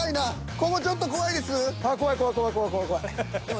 ここちょっと怖いです。